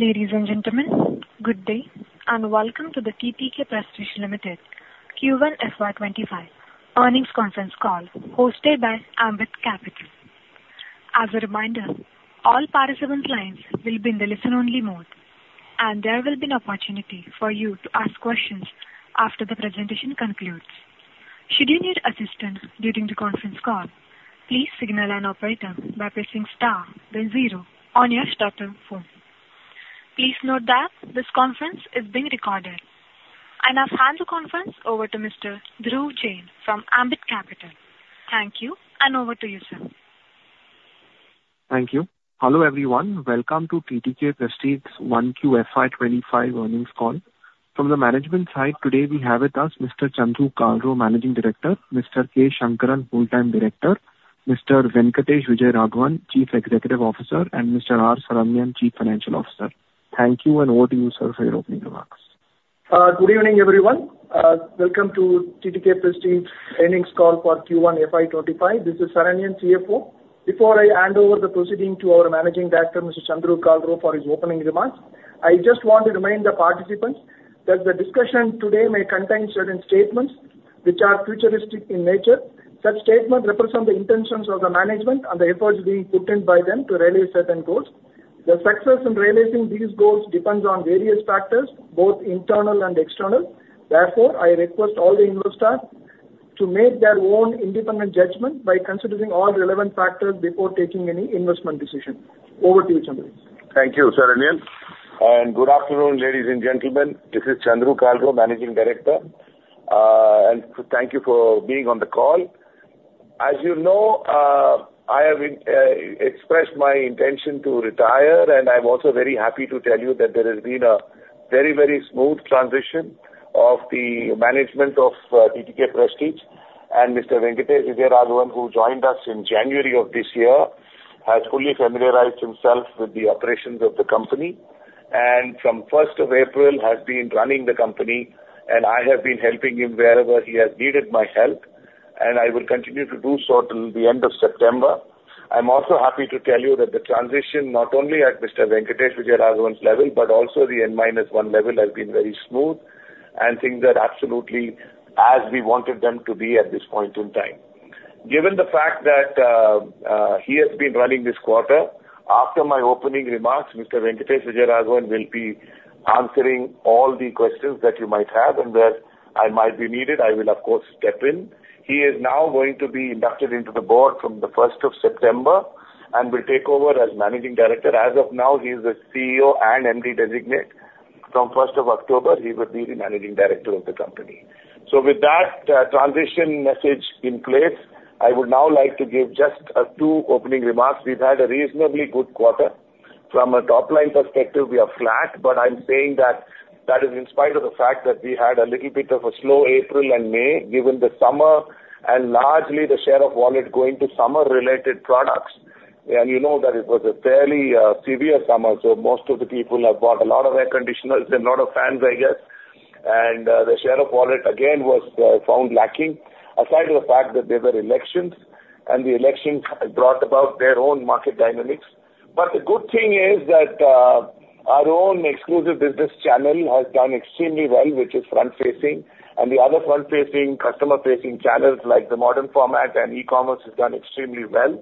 Ladies and gentlemen, good day and welcome to the TTK Prestige Limited Q1 FY 2025 Earnings Conference Call hosted by Ambit Capital. As a reminder, all participants' lines will be in the listen-only mode, and there will be an opportunity for you to ask questions after the presentation concludes. Should you need assistance during the conference call, please signal an operator by pressing star then zero on your touch-tone phone. Please note that this conference is being recorded, and I've handed the conference over to Mr. Dhruv Jain from Ambit Capital. Thank you, and over to you, sir. Thank you. Hello everyone, welcome to TTK Prestige 1Q FY 2025 earnings call. From the management side, today we have with us Mr. Chandru Kalro, Managing Director, Mr. K. Shankaran, Full-Time Director, Mr. Venkatesh Vijayaraghavan, Chief Executive Officer, and Mr. R. Saranyan, Chief Financial Officer. Thank you, and over to you, sir, for your opening remarks. Good evening, everyone. Welcome to TTK Prestige earnings call for Q1 FY 2025. This is Saranyan, CFO. Before I hand over the proceedings to our Managing Director, Mr. Chandru Kalro, for his opening remarks, I just want to remind the participants that the discussion today may contain certain statements which are futuristic in nature. Such statements represent the intentions of the management and the efforts being put in by them to realize certain goals. The success in realizing these goals depends on various factors, both internal and external. Therefore, I request all the investors to make their own independent judgment by considering all relevant factors before taking any investment decision. Over to you, Chandru. Thank you, Saranyan. And good afternoon, ladies and gentlemen. This is Chandru Kalro, Managing Director, and thank you for being on the call. As you know, I have expressed my intention to retire, and I'm also very happy to tell you that there has been a very, very smooth transition of the management of TTK Prestige. Mr. Venkatesh Vijayaraghavan, who joined us in January of this year, has fully familiarized himself with the operations of the company and, from April 1st, has been running the company. I have been helping him wherever he has needed my help, and I will continue to do so till the end of September. I'm also happy to tell you that the transition, not only at Mr. Venkatesh Vijayaraghavan's level but also the N-1 level, has been very smooth, and things are absolutely as we wanted them to be at this point in time. Given the fact that he has been running this quarter, after my opening remarks, Mr. Venkatesh Vijayaraghavan will be answering all the questions that you might have, and where I might be needed, I will, of course, step in. He is now going to be inducted into the board from September 1st and will take over as Managing Director. As of now, he is a CEO and MD designate. From October 1st, he will be the Managing Director of the company. So, with that transition message in place, I would now like to give just two opening remarks. We've had a reasonably good quarter. From a top-line perspective, we are flat, but I'm saying that that is in spite of the fact that we had a little bit of a slow April and May, given the summer and largely the share of wallet going to summer-related products. You know that it was a fairly severe summer, so most of the people have bought a lot of air conditioners and a lot of fans, I guess, and the share of wallet, again, was found lacking, aside from the fact that there were elections, and the elections brought about their own market dynamics. But the good thing is that our own exclusive business channel has done extremely well, which is front-facing, and the other front-facing, customer-facing channels like the modern format and e-commerce have done extremely well.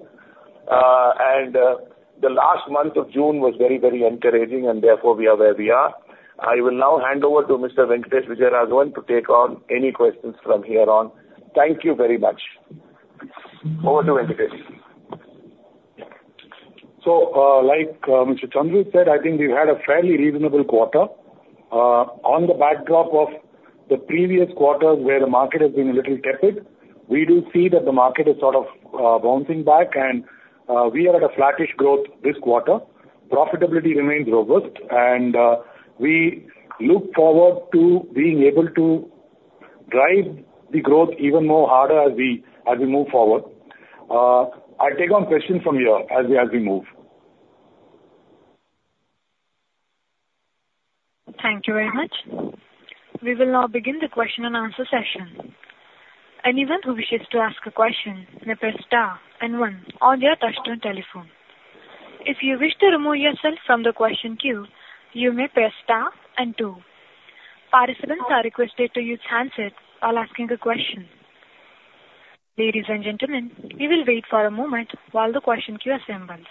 The last month of June was very, very encouraging, and therefore we are where we are. I will now hand over to Mr. Venkatesh Vijayaraghavan to take on any questions from here on. Thank you very much. Over to Venkatesh. So, like Mr. Chandru Kalro said, I think we've had a fairly reasonable quarter. On the backdrop of the previous quarter where the market has been a little tepid, we do see that the market is sort of bouncing back, and we are at a flattish growth this quarter. Profitability remains robust, and we look forward to being able to drive the growth even more harder as we move forward. I'll take on questions from you as we move. Thank you very much. We will now begin the question and answer session. Anyone who wishes to ask a question may press star and one on their touchscreen telephone. If you wish to remove yourself from the question queue, you may press star and two. Participants are requested to use handset while asking a question. Ladies and gentlemen, we will wait for a moment while the question queue assembles.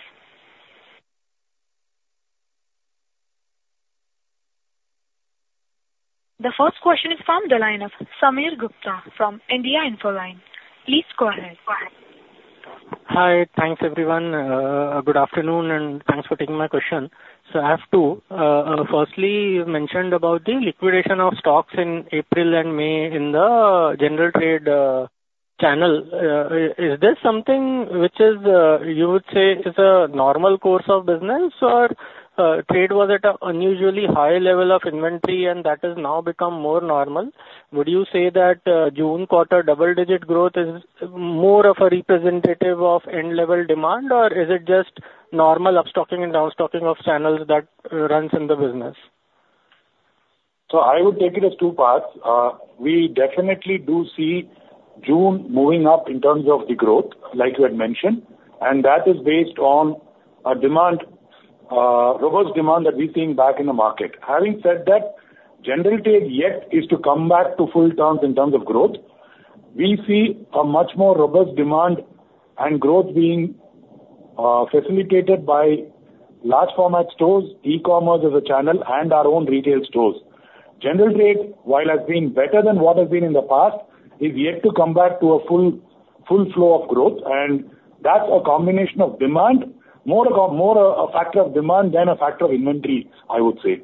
The first question is from the line of Sameer Gupta from India Infoline. Please go ahead. Hi, thanks everyone. Good afternoon, and thanks for taking my question. So, I have two. Firstly, you mentioned about the liquidation of stocks in April and May in the general trade channel. Is this something which you would say is a normal course of business, or trade was at an unusually high level of inventory, and that has now become more normal? Would you say that June quarter double-digit growth is more of a representative of end-level demand, or is it just normal upstocking and downstocking of channels that runs in the business? I would take it as two parts. We definitely do see June moving up in terms of the growth, like you had mentioned, and that is based on a robust demand that we've seen back in the market. Having said that, general trade yet is to come back to full terms in terms of growth. We see a much more robust demand and growth being facilitated by large-format stores, e-commerce as a channel, and our own retail stores. General trade, while it has been better than what it has been in the past, is yet to come back to a full flow of growth, and that's a combination of demand, more a factor of demand than a factor of inventory, I would say.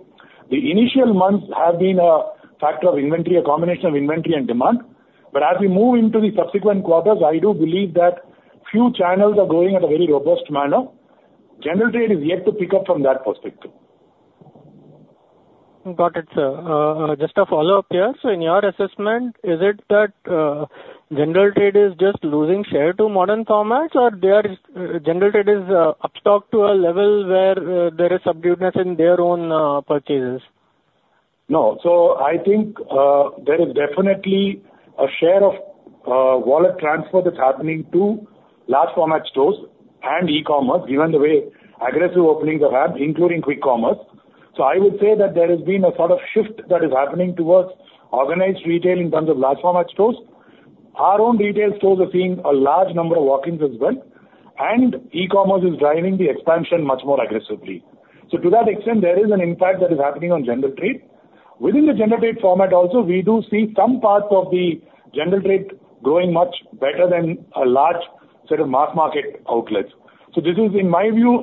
The initial months have been a factor of inventory, a combination of inventory and demand, but as we move into the subsequent quarters, I do believe that few channels are growing at a very robust manner. General Trade is yet to pick up from that perspective. Got it, sir. Just a follow-up here. So, in your assessment, is it that general trade is just losing share to modern formats, or general trade is overstocked to a level where there is subduedness in their own purchases? No. So, I think there is definitely a share of wallet transfer that's happening to large-format stores and e-commerce, given the way aggressive openings have had, including quick commerce. So, I would say that there has been a sort of shift that is happening towards organized retail in terms of large-format stores. Our own retail stores are seeing a large number of walk-ins as well, and e-commerce is driving the expansion much more aggressively. So, to that extent, there is an impact that is happening on general trade. Within the general trade format also, we do see some parts of the general trade growing much better than a large set of mass market outlets. So, this is, in my view,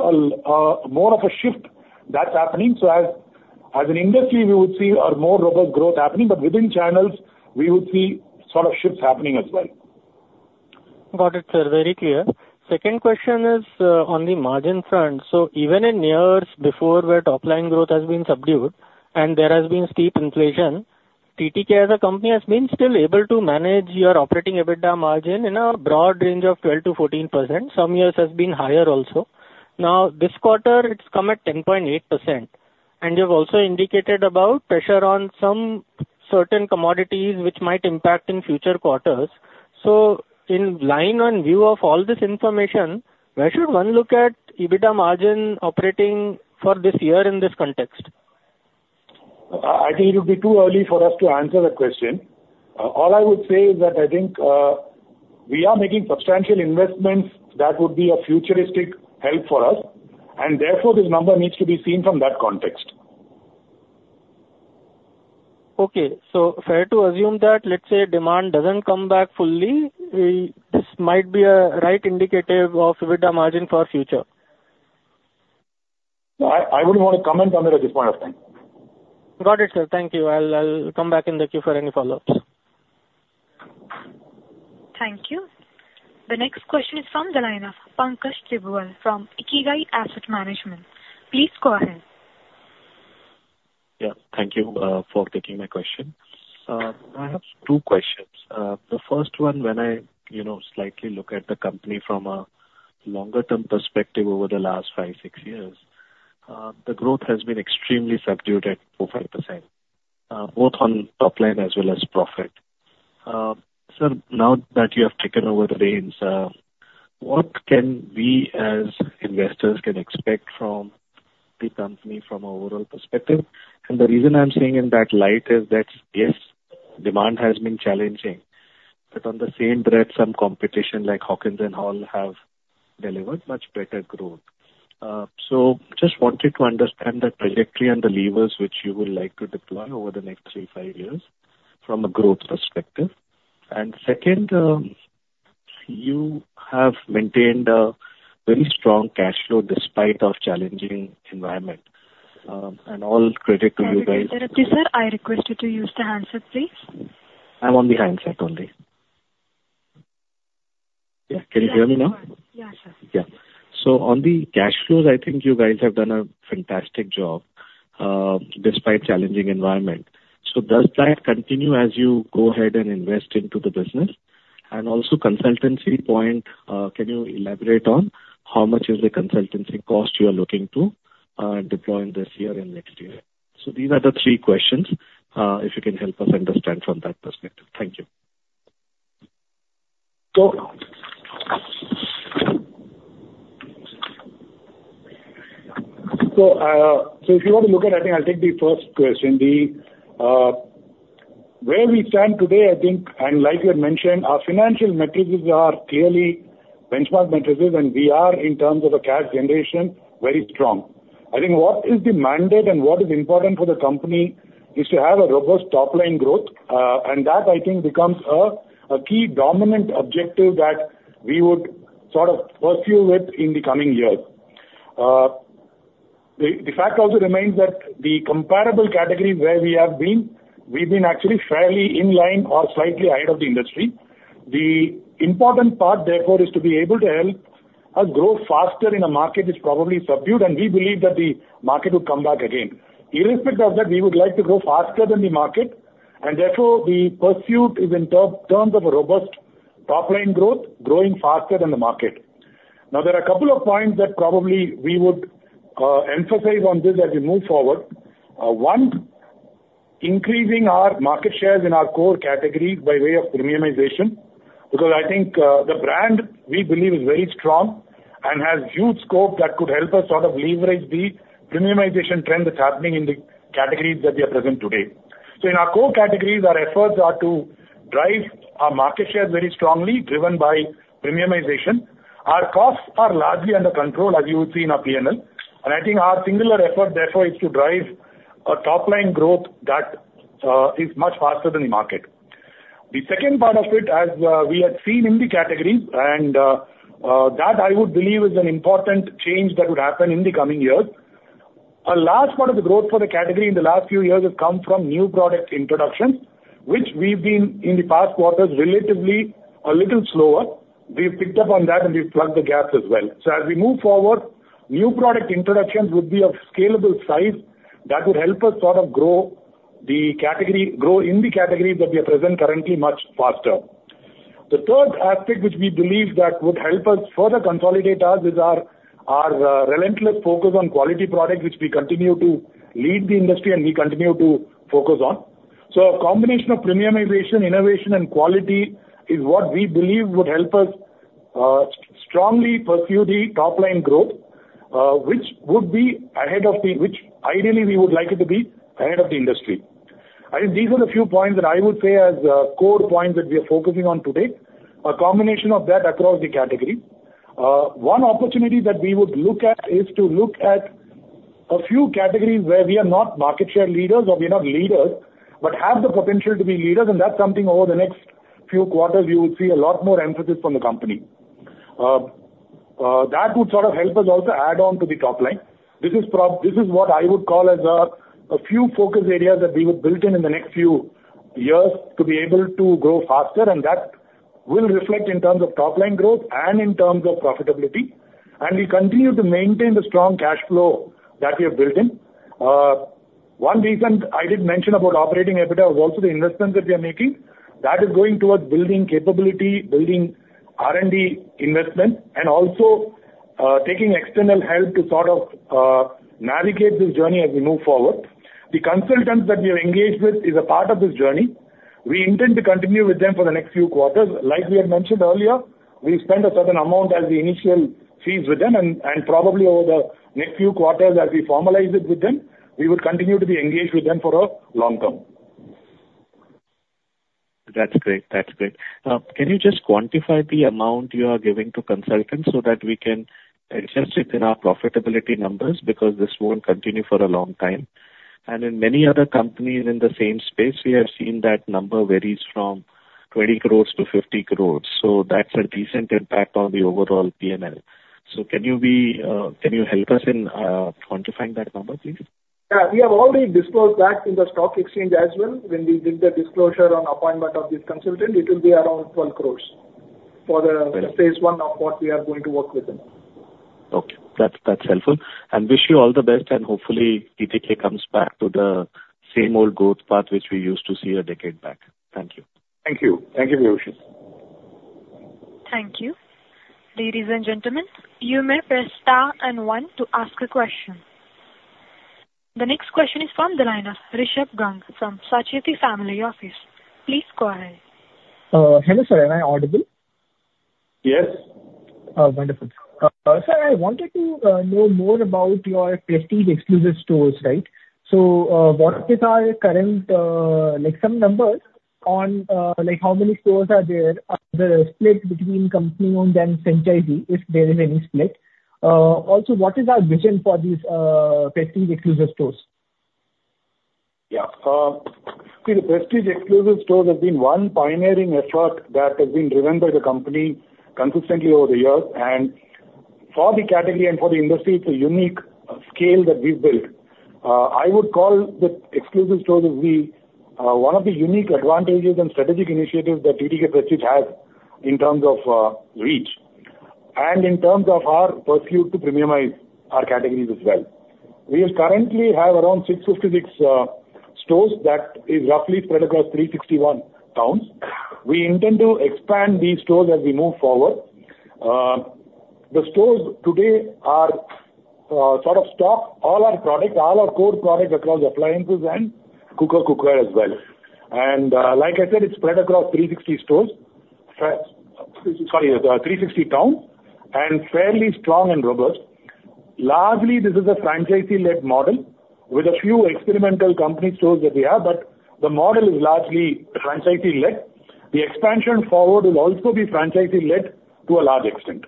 more of a shift that's happening. So, as an industry, we would see a more robust growth happening, but within channels, we would see sort of shifts happening as well. Got it, sir. Very clear. Second question is on the margin front. So, even in years before where top-line growth has been subdued and there has been steep inflation, TTK as a company has been still able to manage your operating EBITDA margin in a broad range of 12%-14%. Some years it has been higher also. Now, this quarter, it's come at 10.8%, and you've also indicated about pressure on some certain commodities which might impact in future quarters. So, in line and view of all this information, where should one look at EBITDA margin operating for this year in this context? I think it would be too early for us to answer that question. All I would say is that I think we are making substantial investments that would be a futuristic help for us, and therefore this number needs to be seen from that context. Okay. So, fair to assume that, let's say, demand doesn't come back fully, this might be a right indicative of EBITDA margin for future? I wouldn't want to comment on it at this point of time. Got it, sir. Thank you. I'll come back in the queue for any follow-ups. Thank you. The next question is from the line of Pankaj Tibrewal from Ikigai Asset Management. Please go ahead. Yes, thank you for taking my question. I have two questions. The first one, when I slightly look at the company from a longer-term perspective over the last five, six years, the growth has been extremely subdued at 4%, both on top line as well as profit. Sir, now that you have taken over the reins, what can we as investors expect from the company from an overall perspective? And the reason I'm seeing in that light is that, yes, demand has been challenging, but on the same breath, some competition like Hawkins Cookers and Stahl have delivered much better growth. So, just wanted to understand the trajectory and the levers which you would like to deploy over the next three, five years from a growth perspective. And second, you have maintained a very strong cash flow despite the challenging environment, and all credit to you guys. Sorry, Mr. Sir, I requested to use the handset, please. I'm on the handset only. Can you hear me now? Yes, sir. Yeah. So, on the cash flows, I think you guys have done a fantastic job despite the challenging environment. So, does that continue as you go ahead and invest into the business? And also, consultancy point, can you elaborate on how much is the consultancy cost you are looking to deploy this year and next year? So, these are the three questions, if you can help us understand from that perspective. Thank you. So, if you want to look at, I think I'll take the first question. Where we stand today, I think, and like you had mentioned, our financial metrics are clearly benchmark metrics, and we are, in terms of a cash generation, very strong. I think what is demanded and what is important for the company is to have a robust top-line growth, and that, I think, becomes a key dominant objective that we would sort of pursue within the coming years. The fact also remains that the comparable category where we have been, we've been actually fairly in line or slightly ahead of the industry. The important part, therefore, is to be able to help us grow faster in a market that is probably subdued, and we believe that the market will come back again. Irrespective of that, we would like to grow faster than the market, and therefore the pursuit is in terms of a robust top-line growth, growing faster than the market. Now, there are a couple of points that probably we would emphasize on this as we move forward. One, increasing our market shares in our core category by way of premiumization, because I think the brand we believe is very strong and has huge scope that could help us sort of leverage the premiumization trend that's happening in the categories that we are present today. So, in our core categories, our efforts are to drive our market shares very strongly, driven by premiumization. Our costs are largely under control, as you would see in our P&L, and I think our singular effort, therefore, is to drive a top-line growth that is much faster than the market. The second part of it, as we had seen in the categories, and that I would believe is an important change that would happen in the coming years. A large part of the growth for the category in the last few years has come from new product introductions, which we've been in the past quarters relatively a little slower. We've picked up on that, and we've plugged the gaps as well. So, as we move forward, new product introductions would be of scalable size that would help us sort of grow in the categories that we are present currently much faster. The third aspect which we believe that would help us further consolidate us is our relentless focus on quality products, which we continue to lead the industry and we continue to focus on. So, a combination of premiumization, innovation, and quality is what we believe would help us strongly pursue the top-line growth, which would be ahead of the, which ideally we would like it to be ahead of the industry. I think these are the few points that I would say as core points that we are focusing on today. A combination of that across the categories. One opportunity that we would look at is to look at a few categories where we are not market share leaders or we're not leaders, but have the potential to be leaders, and that's something over the next few quarters we will see a lot more emphasis from the company. That would sort of help us also add on to the top line. This is what I would call as a few focus areas that we would build in in the next few years to be able to grow faster, and that will reflect in terms of top-line growth and in terms of profitability. And we continue to maintain the strong cash flow that we have built in. One reason I did mention about operating EBITDA is also the investment that we are making. That is going towards building capability, building R&D investment, and also taking external help to sort of navigate this journey as we move forward. The consultants that we have engaged with are a part of this journey. We intend to continue with them for the next few quarters. Like we had mentioned earlier, we've spent a certain amount as the initial fees with them, and probably over the next few quarters, as we formalize it with them, we would continue to be engaged with them for a long term. That's great. That's great. Can you just quantify the amount you are giving to consultants so that we can adjust it in our profitability numbers? Because this won't continue for a long time, and in many other companies in the same space, we have seen that number varies from 20 crores to 50 crores, so that's a decent impact on the overall P&L, so can you help us in quantifying that number, please? Yeah. We have already disclosed that in the stock exchange as well. When we did the disclosure on appointment of this consultant, it will be around 12 crores for the phase one of what we are going to work with them. Okay. That's helpful. And wish you all the best, and hopefully, TTK comes back to the same old growth path which we used to see a decade back. Thank you. Thank you. Thank you, Prakash. Thank you. Ladies and gentlemen, you may press star and one to ask a question. The next question is from the line of Rishabh Garg from Sacheti Family Office. Please go ahead. Hello sir, am I audible? Yes. Wonderful. Sir, I wanted to know more about your Prestige Xclusive stores, right? So, what is our current like some numbers on how many stores are there? Are there splits between company owned and franchisee, if there is any split? Also, what is our vision for these Prestige Xclusive stores? Yeah. See, the Prestige exclusive stores have been one pioneering effort that has been driven by the company consistently over the years, and for the category and for the industry, it's a unique scale that we've built. I would call the exclusive stores as one of the unique advantages and strategic initiatives that TTK Prestige has in terms of reach and in terms of our pursuit to premiumize our categories as well. We currently have around 656 stores that are roughly spread across 361 towns. We intend to expand these stores as we move forward. The stores today are sort of stock all our products, all our core products across appliances and cookers, cookware as well. Like I said, it's spread across 360 stores sorry, 360 towns and fairly strong and robust. Largely, this is a franchisee-led model with a few experimental company stores that we have, but the model is largely franchisee-led. The expansion forward will also be franchisee-led to a large extent.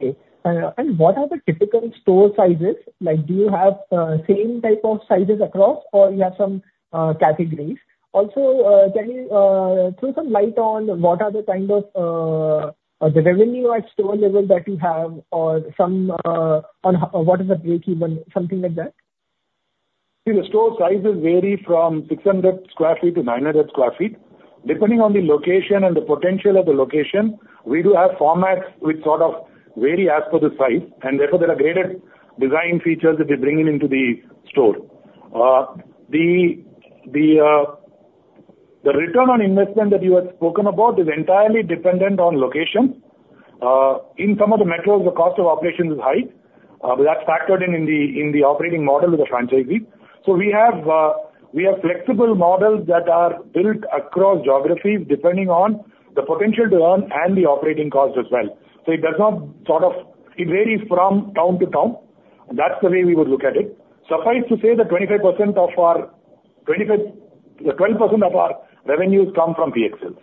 Okay. And what are the typical store sizes? Do you have the same type of sizes across, or you have some categories? Also, can you throw some light on what are the kind of the revenue at store level that you have or some on what is the breakeven, something like that? See, the store sizes vary from 600 sq ft to 900 sq ft. Depending on the location and the potential of the location, we do have formats which sort of vary as per the size, and therefore there are graded design features that we bring into the store. The return on investment that you had spoken about is entirely dependent on location. In some of the metros, the cost of operations is high, but that's factored in in the operating model with the franchisee. We have flexible models that are built across geographies depending on the potential to earn and the operating cost as well. It does not sort of it varies from town to town. That's the way we would look at it. Suffice to say that 25% of our 12% of our revenues come from PXS.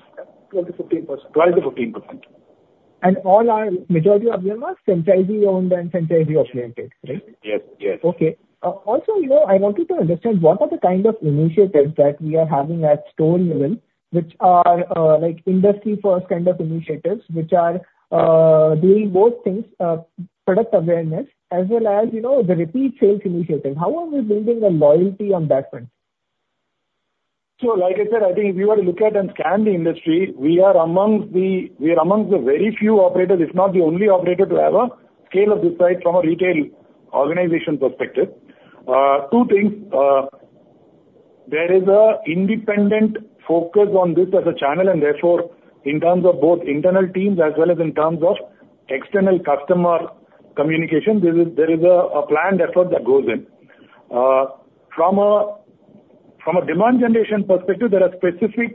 12%-15%. 12%-15%. All our majority of them are franchisee-owned and franchisee-affiliated, right? Yes. Yes. Okay. Also, I wanted to understand what are the kind of initiatives that we are having at store level which are industry-first kind of initiatives which are doing both things, product awareness as well as the repeat sales initiative? How are we building the loyalty on that front? Sure. Like I said, I think if you were to look at and scan the industry, we are among the very few operators, if not the only operator to have a scale of this size from a retail organization perspective. Two things. There is an independent focus on this as a channel, and therefore, in terms of both internal teams as well as in terms of external customer communication, there is a planned effort that goes in. From a demand generation perspective, there are specific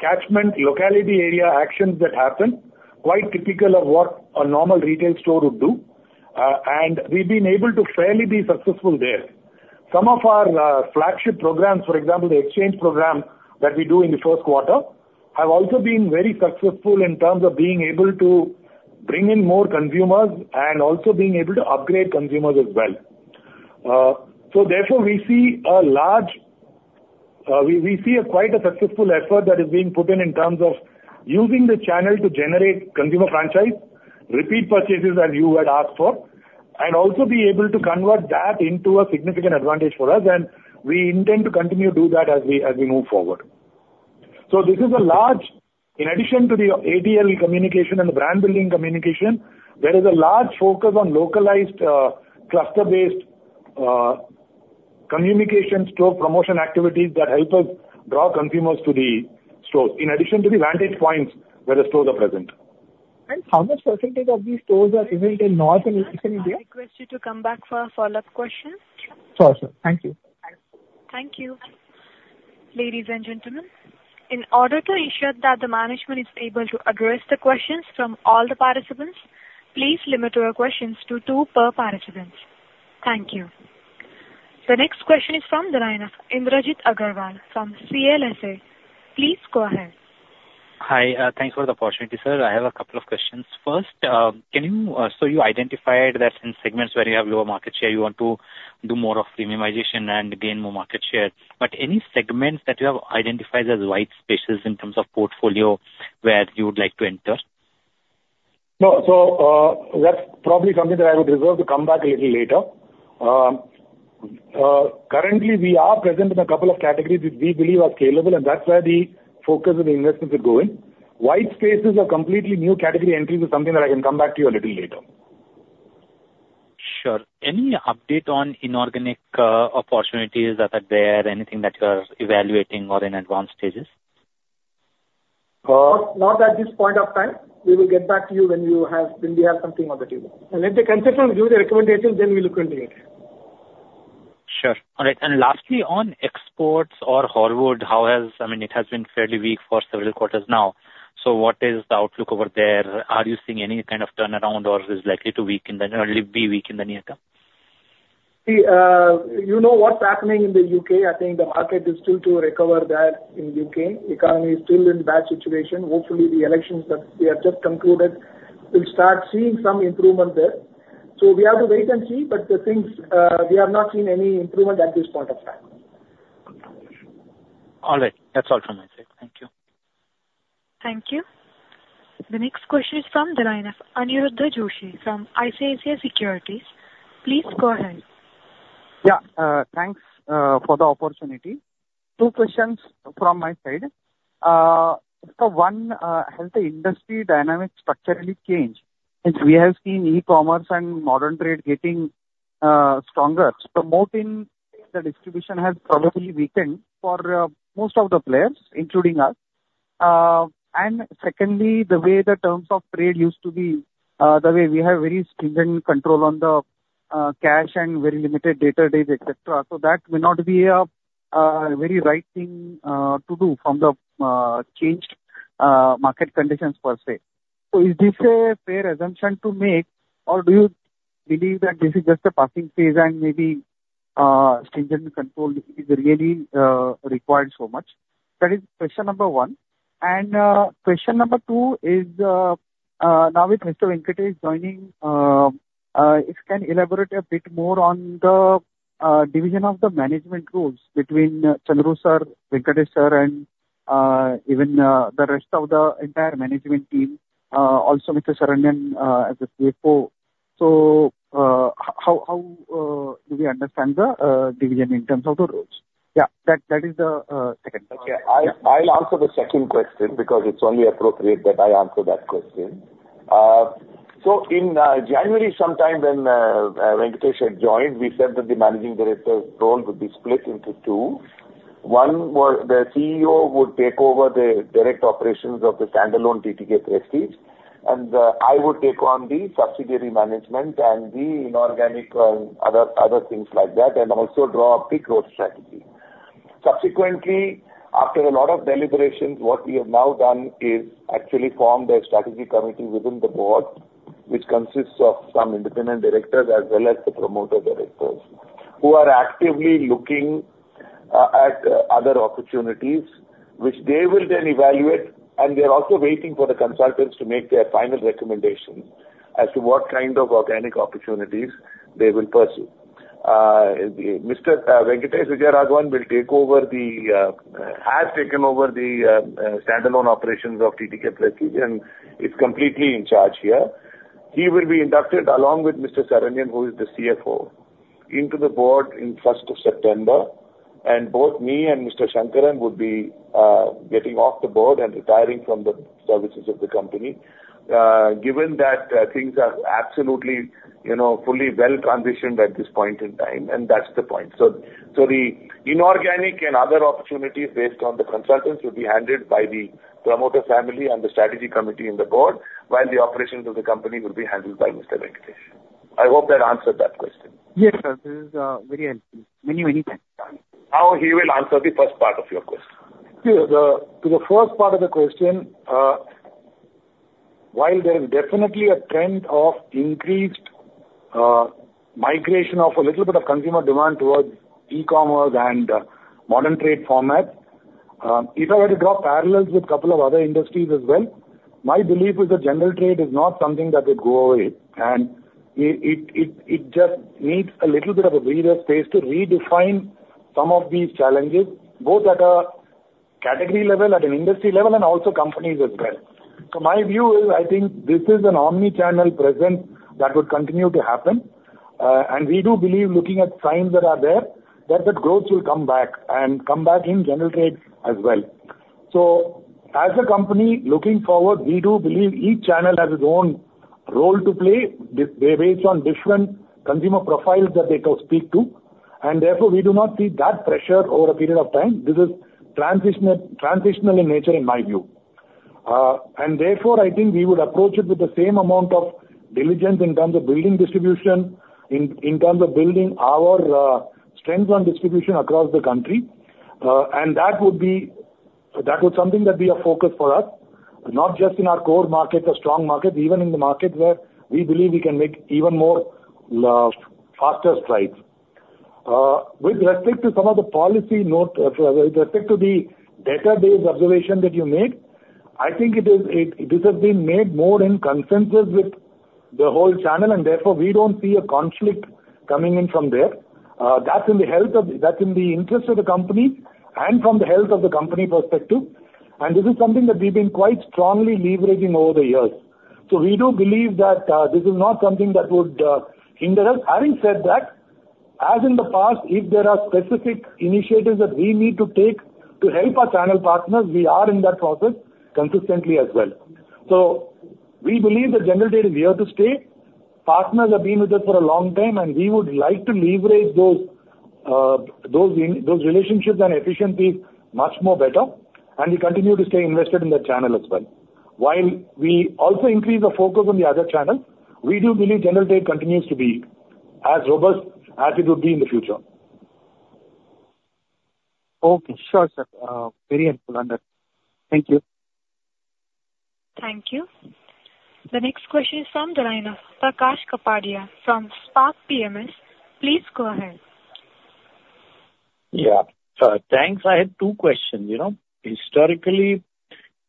catchment, locality area actions that happen, quite typical of what a normal retail store would do, and we've been able to fairly be successful there. Some of our flagship programs, for example, the exchange program that we do in the first quarter, have also been very successful in terms of being able to bring in more consumers and also being able to upgrade consumers as well. So, therefore, we see quite a successful effort that is being put in terms of using the channel to generate consumer franchise, repeat purchases as you had asked for, and also be able to convert that into a significant advantage for us, and we intend to continue to do that as we move forward. So, this is in addition to the ATL communication and the brand building communication. There is a large focus on localized cluster-based communication store promotion activities that help us draw consumers to the stores in addition to the vantage points where the stores are present. How much percentage of these stores are built in North and Eastern India? I request you to come back for a follow-up question. Sure, sir. Thank you. Thank you. Ladies and gentlemen, in order to ensure that the management is able to address the questions from all the participants, please limit your questions to two per participant. Thank you. The next question is from the line of Indrajit Agarwal from CLSA. Please go ahead. Hi. Thanks for the opportunity, sir. I have a couple of questions. First, can you? So you identified that in segments where you have lower market share, you want to do more of premiumization and gain more market share, but any segments that you have identified as white spaces in terms of portfolio where you would like to enter? No. So, that's probably something that I would reserve to come back a little later. Currently, we are present in a couple of categories which we believe are scalable, and that's where the focus of the investments are going. White spaces are completely new category entries is something that I can come back to you a little later. Sure. Any update on inorganic opportunities that are there, anything that you are evaluating or in advanced stages? Not at this point of time. We will get back to you when we have something on the table. And if they can sit down and give you the recommendations, then we'll look into it. Sure. All right. And lastly, on exports or Horwood, how has, I mean, it has been fairly weak for several quarters now. So, what is the outlook over there? Are you seeing any kind of turnaround or is it likely to be weak in the near term? See, you know what's happening in the U.K.? I think the market is still to recover there in the U.K. The economy is still in a bad situation. Hopefully, the elections that we have just concluded will start seeing some improvement there. So, we have to wait and see, but the things we have not seen any improvement at this point of time. All right. That's all from my side. Thank you. Thank you. The next question is from the line of Aniruddha Joshi from ICICI Securities. Please go ahead. Yeah. Thanks for the opportunity. Two questions from my side. So, one, has the industry dynamics structurally changed? Since we have seen e-commerce and modern trade getting stronger, the moat in the distribution has probably weakened for most of the players, including us. And secondly, the way the terms of trade used to be, the way we have very stringent control on the cash and very limited debtor days, etc. So, that may not be a very right thing to do from the changed market conditions per se. So, is this a fair assumption to make, or do you believe that this is just a passing phase and maybe stringent control is really required so much? That is question number one. And question number two is now with Mr. Venkatesh joining, if you can elaborate a bit more on the division of the management roles between Chandru, Saranyan, Venkatesh sir, and even the rest of the entire management team, also Mr. Saranyan as the CFO. So, how do we understand the division in terms of the roles? Yeah. That is the second question. Okay. I'll answer the second question because it's only appropriate that I answer that question. So, in January sometime when Venkatesh had joined, we said that the managing director's role would be split into two. One, the CEO would take over the direct operations of the standalone TTK Prestige, and I would take on the subsidiary management and the inorganic and other things like that, and also draw a big growth strategy. Subsequently, after a lot of deliberations, what we have now done is actually formed a strategy committee within the board which consists of some independent directors as well as the promoter directors who are actively looking at other opportunities which they will then evaluate, and they're also waiting for the consultants to make their final recommendations as to what kind of organic opportunities they will pursue. Mr. Venkatesh Vijayaraghavan has taken over the standalone operations of TTK Prestige, and he's completely in charge here. He will be inducted along with Mr. Saranyan, who is the CFO, into the board in first of September, and both me and Mr. Shankaran would be getting off the board and retiring from the services of the company given that things are absolutely fully well transitioned at this point in time, and that's the point. So, the inorganic and other opportunities based on the consultants will be handled by the promoter family and the strategy committee in the board, while the operations of the company will be handled by Mr. Venkatesh. I hope that answered that question. Yes, sir. This is very helpful. When you're ready. Now he will answer the first part of your question. To the first part of the question, while there is definitely a trend of increased migration of a little bit of consumer demand towards E-commerce and modern trade formats, if I were to draw parallels with a couple of other industries as well, my belief is that general trade is not something that will go away, and it just needs a little bit of a breather space to redefine some of these challenges, both at a category level, at an industry level, and also companies as well. So, my view is I think this is an omnichannel presence that would continue to happen, and we do believe looking at signs that are there that the growth will come back and come back in general trade as well. So, as a company looking forward, we do believe each channel has its own role to play based on different consumer profiles that they can speak to, and therefore we do not see that pressure over a period of time. This is transitional in nature in my view. And therefore, I think we would approach it with the same amount of diligence in terms of building distribution, in terms of building our strengths on distribution across the country, and that would be something that would be a focus for us, not just in our core markets, a strong market, even in the markets where we believe we can make even more faster strides. With respect to some of the policy note with respect to the data-based observation that you made, I think this has been made more in consensus with the whole channel, and therefore we don't see a conflict coming in from there. That's in the interest of the company and from the health of the company perspective, and this is something that we've been quite strongly leveraging over the years. So, we do believe that this is not something that would hinder us. Having said that, as in the past, if there are specific initiatives that we need to take to help our channel partners, we are in that process consistently as well. So, we believe that general trade is here to stay. Partners have been with us for a long time, and we would like to leverage those relationships and efficiencies much more better, and we continue to stay invested in that channel as well. While we also increase the focus on the other channels, we do believe general trade continues to be as robust as it would be in the future. Okay. Sure, sir. Very helpful, Ananda. Thank you. Thank you. The next question is from the line of Prakash Kapadia from Spark PWM. Please go ahead. Yeah. Thanks. I had two questions. Historically,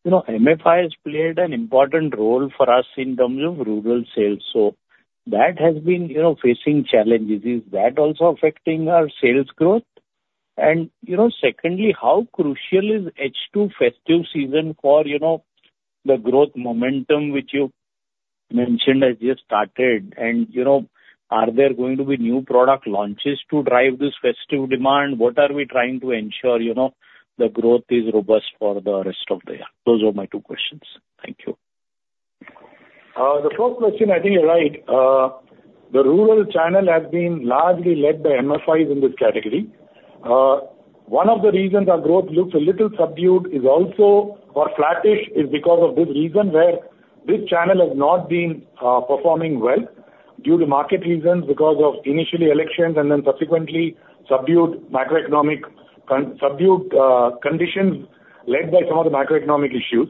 MFI has played an important role for us in terms of rural sales, so that has been facing challenges. Is that also affecting our sales growth? And secondly, how crucial is H2 festive season for the growth momentum which you mentioned has just started? And are there going to be new product launches to drive this festive demand? What are we trying to ensure the growth is robust for the rest of the year? Those are my two questions. Thank you. The first question, I think you're right. The rural channel has been largely led by MFIs in this category. One of the reasons our growth looks a little subdued is also or flattish is because of this reason where this channel has not been performing well due to market reasons because of initially elections and then subsequently subdued macroeconomic conditions led by some of the macroeconomic issues.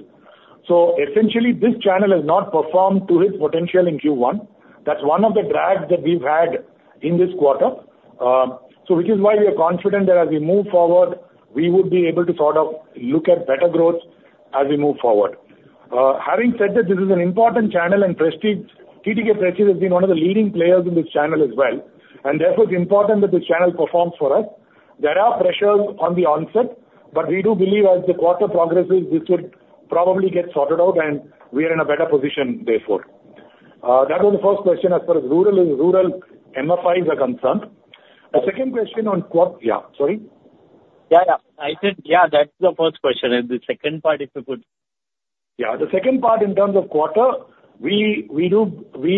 So, essentially, this channel has not performed to its potential in Q1. That's one of the drags that we've had in this quarter, which is why we are confident that as we move forward, we would be able to sort of look at better growth as we move forward. Having said that, this is an important channel, and TTK Prestige has been one of the leading players in this channel as well, and therefore it's important that this channel performs for us. There are pressures on the onset, but we do believe as the quarter progresses, this would probably get sorted out, and we are in a better position therefore. That was the first question as far as rural MFIs are concerned. The second question on, yeah. Sorry. I said yeah, that's the first question. And the second part, if you could. Yeah. The second part in terms of quarter, we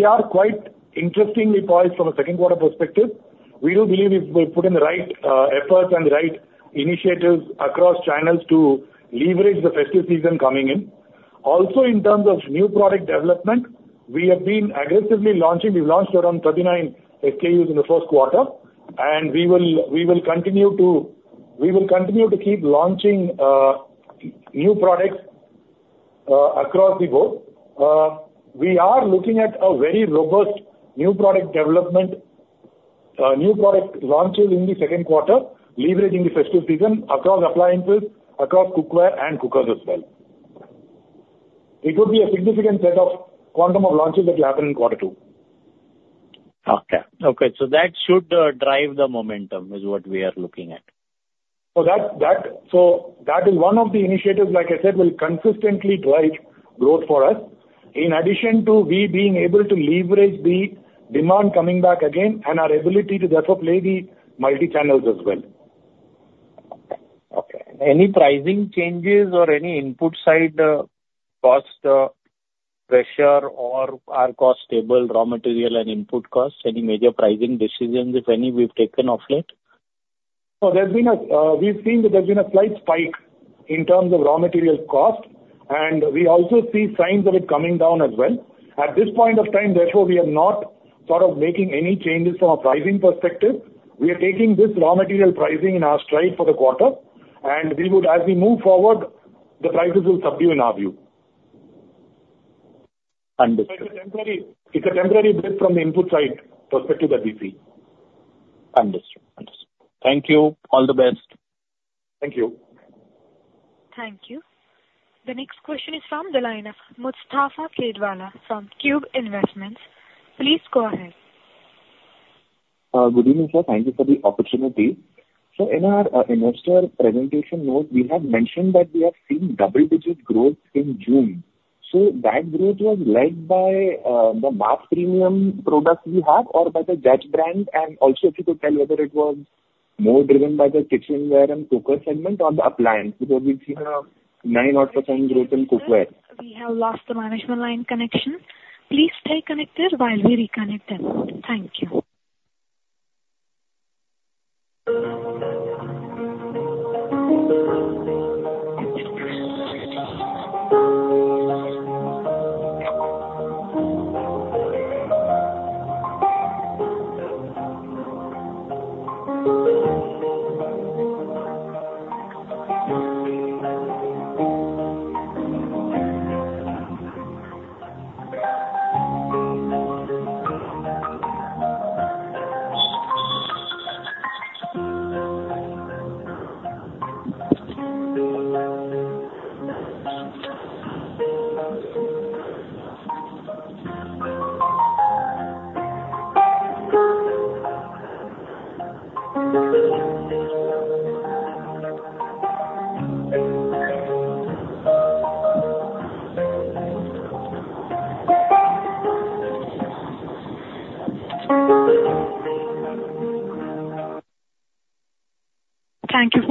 are quite interestingly poised from a second quarter perspective. We do believe if we put in the right efforts and the right initiatives across channels to leverage the festive season coming in. Also, in terms of new product development, we have been aggressively launching. We've launched around 39 SKUs in the first quarter, and we will continue to keep launching new products across the board. We are looking at a very robust new product development, new product launches in the second quarter, leveraging the festive season across appliances, across cookware and cookers as well. It would be a significant set of quantum of launches that will happen in quarter two. Okay. So that should drive the momentum is what we are looking at. So that is one of the initiatives, like I said, will consistently drive growth for us in addition to we being able to leverage the demand coming back again and our ability to therefore play the multi-channels as well. Okay. Any pricing changes or any input side cost pressure or are costs stable raw material and input costs? Any major pricing decisions, if any, we've taken of late? We've seen that there's been a slight spike in terms of raw material cost, and we also see signs of it coming down as well. At this point of time, therefore we are not sort of making any changes from a pricing perspective. We are taking this raw material pricing in our stride for the quarter, and we would, as we move forward, the prices will subside in our view. Understood. It's a temporary blip from the input side perspective that we see. Understood. Understood. Thank you. All the best. Thank you. Thank you. The next question is from the line of Mustafa Khedwala from Cube Investments. Please go ahead. Good evening, sir. Thank you for the opportunity. So, in our investor presentation note, we have mentioned that we have seen double-digit growth in June. So, that growth was led by the mass premium products we have or by the Judge brand, and also if you could tell whether it was more driven by the cookware and cooker segment or the appliance because we've seen a 9-odd% growth in cookware? We have lost the management line connection. Please stay connected while we reconnect them. Thank you. Thank you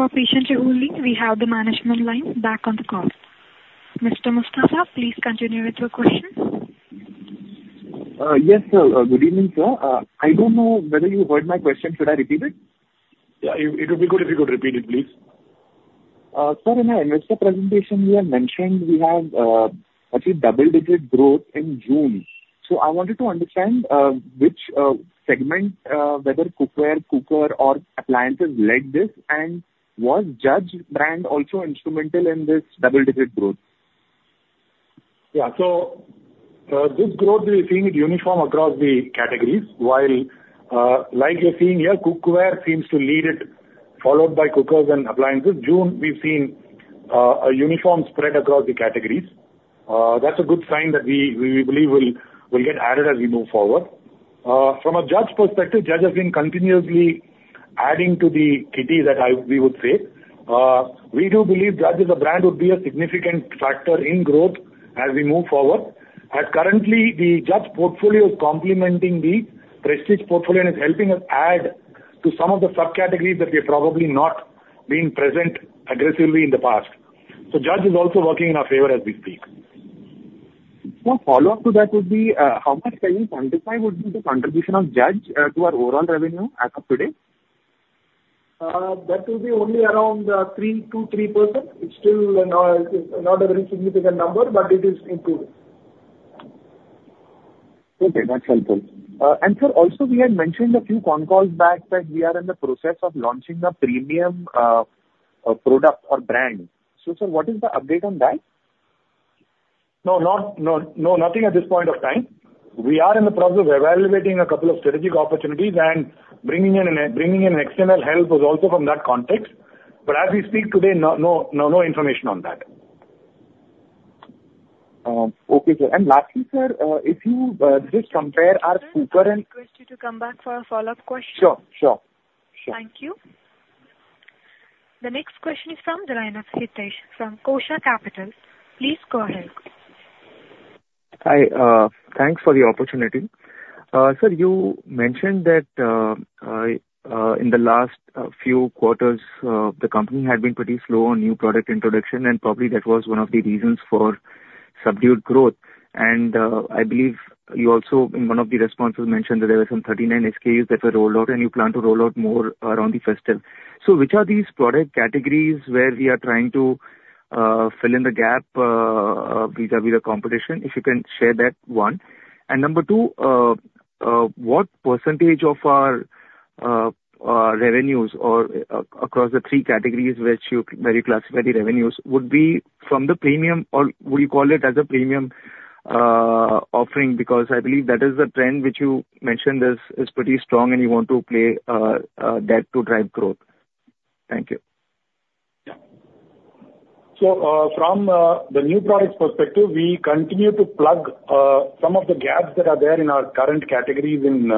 for patiently holding. We have the management line back on the call. Mr. Mustafa, please continue with your question. Yes, sir. Good evening, sir. I don't know whether you heard my question. Should I repeat it? Yeah. It would be good if you could repeat it, please. Sir, in our investor presentation, we have mentioned we have actually double-digit growth in June. So, I wanted to understand which segment, whether cookware, cooker, or appliances led this and was Judge also instrumental in this double-digit growth? Yeah. So, this growth we're seeing is uniform across the categories. While, like you're seeing here, cookware seems to lead it, followed by cookers and appliances. June, we've seen a uniform spread across the categories. That's a good sign that we believe will get added as we move forward. From a Judge perspective, Judge has been continuously adding to the kitty, that we would say. We do believe Judge as a brand would be a significant factor in growth as we move forward. As currently, the Judge portfolio is complementing the Prestige portfolio and is helping us add to some of the subcategories that we have probably not been present aggressively in the past. So, Judge is also working in our favor as we speak. A follow-up to that would be, how much can you quantify would be the contribution of Judge to our overall revenue as of today? That will be only around 2-3%. It's still not a very significant number, but it is improving. Okay. That's helpful. And, sir, also, we had mentioned a few phone calls back that we are in the process of launching a premium product or brand. So, sir, what is the update on that? No, nothing at this point of time. We are in the process of evaluating a couple of strategic opportunities and bringing in an external helpers also from that context. But as we speak today, no information on that. Okay, sir. And lastly, sir, if you just compare our cooker and. We request you to come back for a follow-up question. Sure. Sure. Sure. Thank you. The next question is from Hitesh from Kosha Capital. Please go ahead. Hi. Thanks for the opportunity. Sir, you mentioned that in the last few quarters, the company had been pretty slow on new product introduction, and probably that was one of the reasons for subdued growth, and I believe you also, in one of the responses, mentioned that there were some 39 SKUs that were rolled out, and you plan to roll out more around the festive, so which are these product categories where we are trying to fill in the gap vis-à-vis the competition? If you can share that, one. And number two, what percentage of our revenues across the three categories where you classify the revenues would be from the premium or would you call it as a premium offering? Because I believe that is the trend which you mentioned is pretty strong, and you want to play that to drive growth. Thank you. Yeah, so from the new product perspective, we continue to plug some of the gaps that are there in our current categories in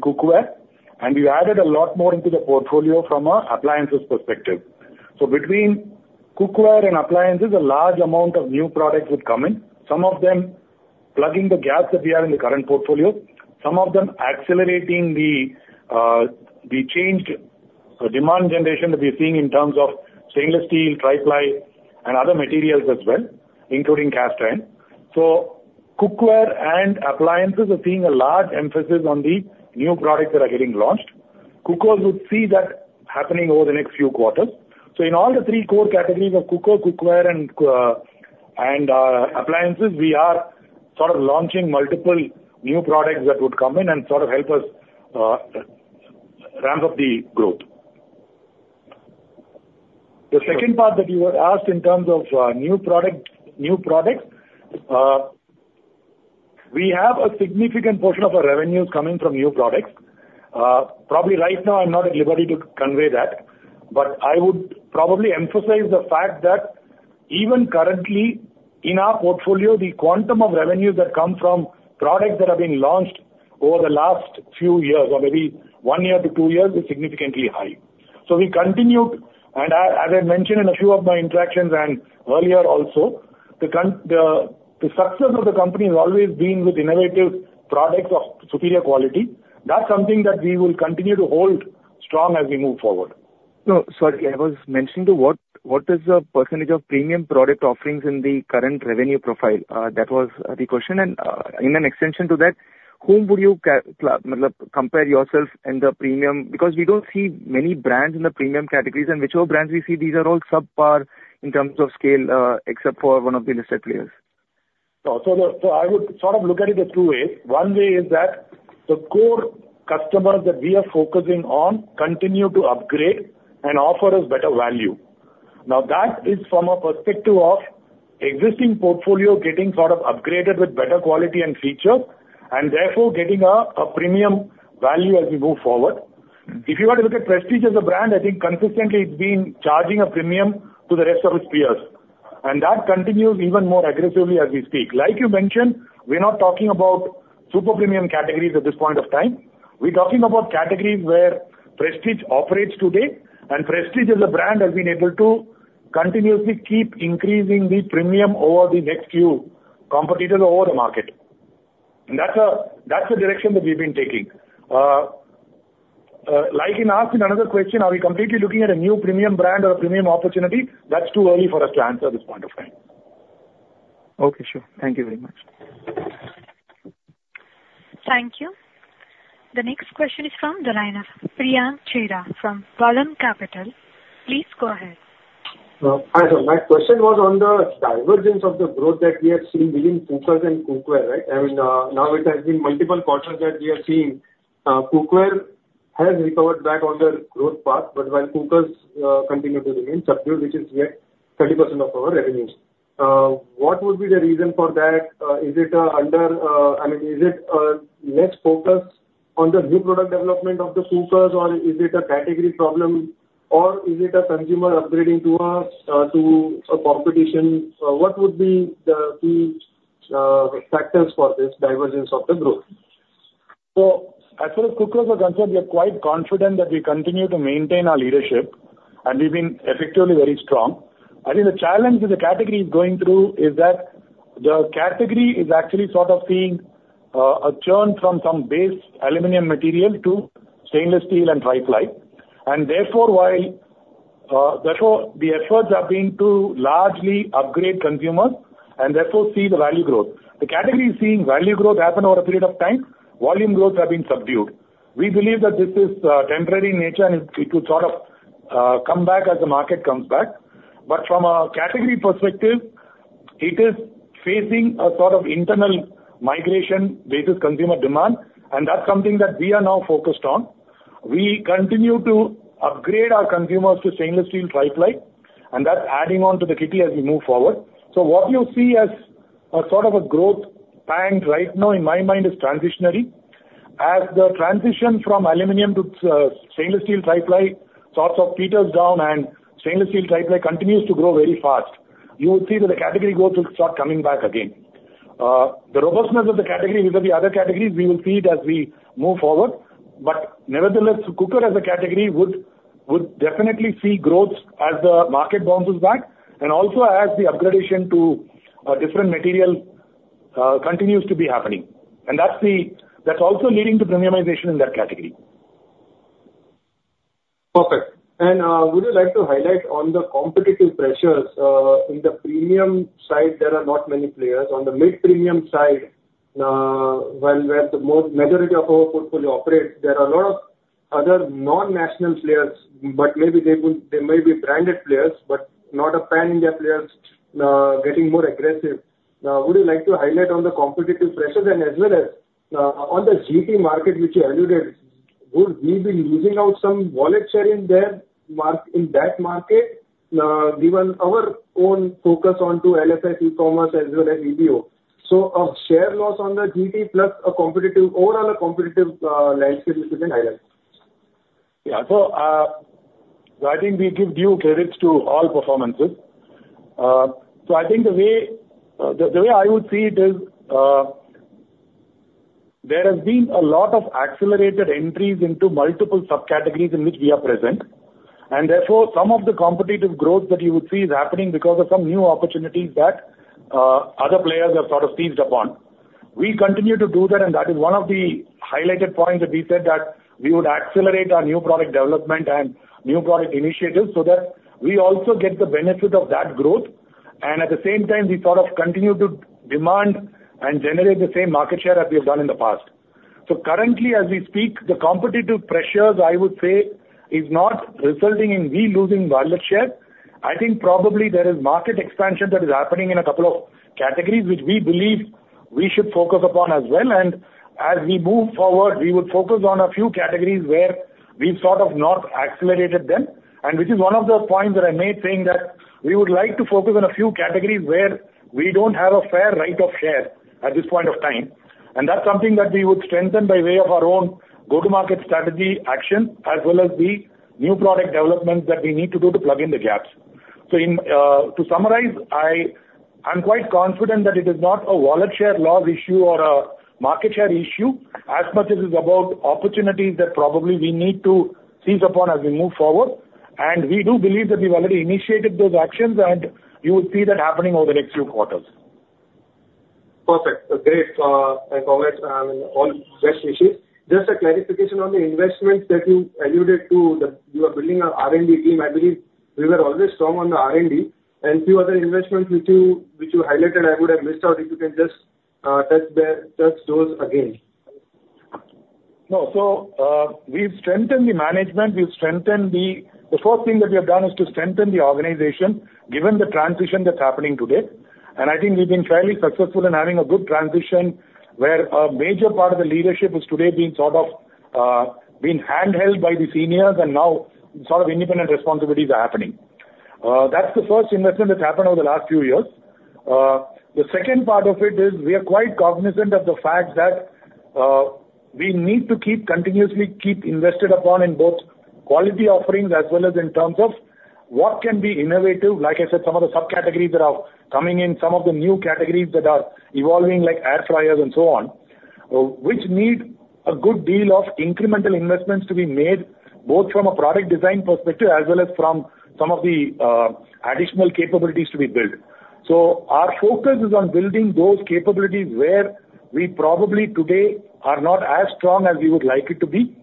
cookware, and we've added a lot more into the portfolio from our appliances perspective, so between cookware and appliances, a large amount of new products would come in, some of them plugging the gaps that we have in the current portfolio, some of them accelerating the changed demand generation that we're seeing in terms of Stainless steel, Tri-ply, and other materials as well, including cast iron, so cookware and appliances are seeing a large emphasis on the new products that are getting launched. Cookers would see that happening over the next few quarters, so in all the three core categories of cooker, cookware, and appliances, we are sort of launching multiple new products that would come in and sort of help us ramp up the growth. The second part that you asked in terms of new products, we have a significant portion of our revenues coming from new products. Probably right now, I'm not at liberty to convey that, but I would probably emphasize the fact that even currently, in our portfolio, the quantum of revenues that come from products that have been launched over the last few years or maybe one year to two years is significantly high. So, we continue, and as I mentioned in a few of my interactions and earlier also, the success of the company has always been with innovative products of superior quality. That's something that we will continue to hold strong as we move forward. So, sorry, I was mentioning to what is the percentage of premium product offerings in the current revenue profile? That was the question. And in an extension to that, whom would you compare yourself in the premium? Because we don't see many brands in the premium categories, and whichever brands we see, these are all subpar in terms of scale except for one of the listed players. So, I would sort of look at it in two ways. One way is that the core customers that we are focusing on continue to upgrade and offer us better value. Now, that is from a perspective of existing portfolio getting sort of upgraded with better quality and features and therefore getting a premium value as we move forward. If you want to look at Prestige as a brand, I think consistently it's been charging a premium to the rest of its peers, and that continues even more aggressively as we speak. Like you mentioned, we're not talking about super premium categories at this point of time. We're talking about categories where Prestige operates today, and Prestige as a brand has been able to continuously keep increasing the premium over the next few competitors over the market. And that's the direction that we've been taking. Like, in asking another question, are we completely looking at a new premium brand or a premium opportunity? That's too early for us to answer at this point of time. Okay. Sure. Thank you very much. Thank you. The next question is from the line of Priyam Chetiya from Gullane Capital. Please go ahead. Hi, sir. My question was on the divergence of the growth that we have seen between cookers and cookware, right? I mean, now it has been multiple quarters that we are seeing cookware has recovered back on the growth path, but while cookers continue to remain subdued, which is 30% of our revenues. What would be the reason for that? Is it under? I mean, is it less focus on the new product development of the cookers, or is it a category problem, or is it a consumer upgrading to a competition? What would be the key factors for this divergence of the growth? So, as far as cookers are concerned, we are quite confident that we continue to maintain our leadership, and we've been effectively very strong. I think the challenge that the category is going through is that the category is actually sort of seeing a churn from some base aluminum material to stainless steel and tri-ply, and therefore, the efforts have been to largely upgrade consumers and therefore see the value growth. The category is seeing value growth happen over a period of time. Volume growth has been subdued. We believe that this is temporary in nature, and it will sort of come back as the market comes back, but from a category perspective, it is facing a sort of internal migration versus consumer demand, and that's something that we are now focused on. We continue to upgrade our consumers to stainless steel, tri-ply, and that's adding on to the kitty as we move forward, so what you see as sort of a growth trend right now, in my mind, is transitory. As the transition from aluminum to stainless steel, tri-ply sort of peters down, and stainless steel, tri-ply continues to grow very fast, you would see that the category growth will start coming back again. The robustness of the category vis-à-vis other categories, we will see it as we move forward. But nevertheless, cooker as a category would definitely see growth as the market bounces back and also as the upgradation to different materials continues to be happening. And that's also leading to premiumization in that category. Perfect. And would you like to highlight on the competitive pressures? In the premium side, there are not many players. On the mid-premium side, where the majority of our portfolio operates, there are a lot of other non-national players, but maybe they may be branded players but not a pan-India player getting more aggressive. Would you like to highlight on the competitive pressures and as well as on the GT market, which you alluded, would we be losing out some wallet share in that market given our own focus onto quick commerce as well as EBO? So, a share loss on the GT plus a competitive overall landscape is to be highlighted. Yeah. So, I think we give due credit to all performances. So, I think the way I would see it is there have been a lot of accelerated entries into multiple subcategories in which we are present, and therefore some of the competitive growth that you would see is happening because of some new opportunities that other players have sort of seized upon. We continue to do that, and that is one of the highlighted points that we said that we would accelerate our new product development and new product initiatives so that we also get the benefit of that growth, and at the same time, we sort of continue to demand and generate the same market share as we have done in the past, so currently, as we speak, the competitive pressures, I would say, are not resulting in we losing wallet share. I think probably there is market expansion that is happening in a couple of categories, which we believe we should focus upon as well. And as we move forward, we would focus on a few categories where we've sort of not accelerated them, which is one of the points that I made, saying that we would like to focus on a few categories where we don't have a fair right of share at this point of time. And that's something that we would strengthen by way of our own go-to-market strategy action as well as the new product developments that we need to do to plug in the gaps. So, to summarize, I'm quite confident that it is not a wallet share loss issue or a market share issue as much as it's about opportunities that probably we need to seize upon as we move forward. And we do believe that we've already initiated those actions, and you will see that happening over the next few quarters. Perfect. Great. Thanks, a lot. All the best wishes. Just a clarification on the investments that you alluded to, that you are building an R&D team. I believe we were always strong on the R&D. A few other investments which you highlighted, I would have missed out. If you can just touch those again. No. We've strengthened the management. The first thing that we have done is to strengthen the organization given the transition that's happening today. I think we've been fairly successful in having a good transition where a major part of the leadership has today been sort of being handheld by the seniors, and now sort of independent responsibilities are happening. That's the first investment that's happened over the last few years. The second part of it is we are quite cognizant of the fact that we need to keep continuously invested upon in both quality offerings as well as in terms of what can be innovative. Like I said, some of the subcategories that are coming in, some of the new categories that are evolving, like air fryers and so on, which need a good deal of incremental investments to be made both from a product design perspective as well as from some of the additional capabilities to be built. So, our focus is on building those capabilities where we probably today are not as strong as we would like it to be.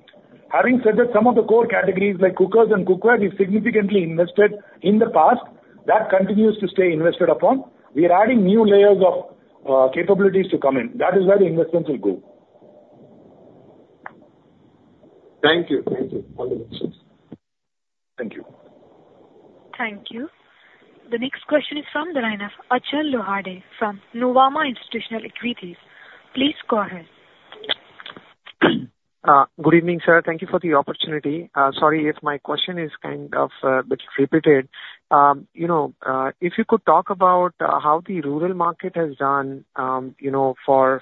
Having said that, some of the core categories like cookers and cookware we've significantly invested in the past, that continues to stay invested upon. We are adding new layers of capabilities to come in. That is where the investments will go. Thank you. Thank you. Thank you. The next question is from the line of Ajay Laddha from Nuvama Institutional Equities. Please go ahead. Good evening, sir. Thank you for the opportunity. Sorry if my question is kind of a bit repetitive. If you could talk about how the rural market has done for